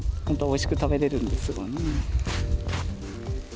本当はおいしく食べれるんですがね。